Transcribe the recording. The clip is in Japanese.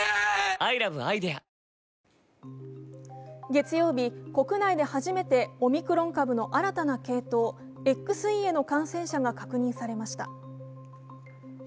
月曜日、国内で初めてオミクロン株の新たな系統、ＸＥへの感染者が確認されました。